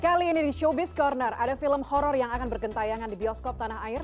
kali ini di showbiz corner ada film horror yang akan bergentayangan di bioskop tanah air